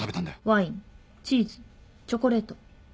ワインチーズチョコレート。